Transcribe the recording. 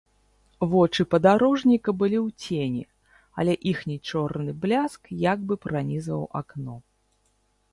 Вочы падарожніка былі ў цені, але іхні чорны бляск як бы пранізваў акно.